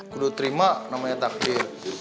sudah terima namanya takdir